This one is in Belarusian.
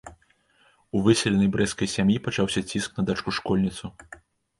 У выселенай брэсцкай сям'і пачаўся ціск на дачку-школьніцу?